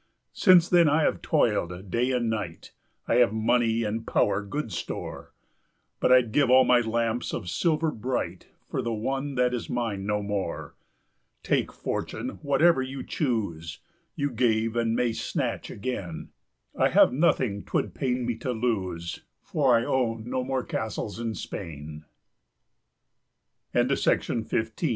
Since then I have toiled day and night, I have money and power good store, 10 But, I'd give all my lamps of silver bright For the one that is mine no more; Take, Fortune, whatever you choose, You gave, and may snatch again; I have nothing 't would pain me to lose, 15 For I own no more castles in Spain! BEAVER BROOK.